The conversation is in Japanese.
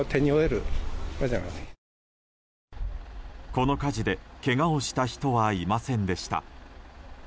この火事でけがをした人はいませんでした。